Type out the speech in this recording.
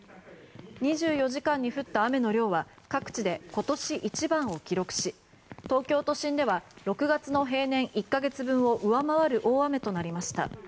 ２４時間に降った雨の量は各地で今年一番を記録し東京都心では６月の平年１か月分を上回る大雨となりました。